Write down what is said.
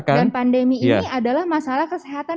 pandemi ini adalah masalah kesehatan